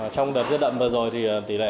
trong đợt giết hại vừa rồi thì tỷ lệ